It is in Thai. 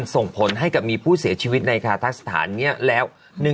ส่งผลให้กับมีผู้เสียชีวิตในคาทะสถานนี้แล้ว